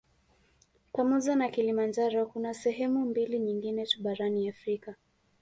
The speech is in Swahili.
Pamoja na Kilimanjaro kuna sehemu mbili nyingine tu barani Afrika